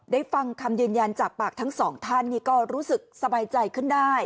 ฟังคำยืนยันจากปากทั้งสองท่านนี่ก็รู้สึกสบายใจขึ้นได้